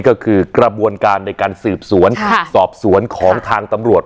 ก็คือกระบวนการในการสืบสวนสอบสวนของทางตำรวจ